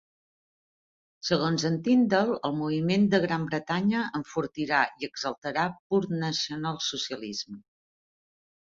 Segons en Tyndall, "El Moviment de Gran Bretanya enfortirà, i exaltarà, pur Nacional Socialisme".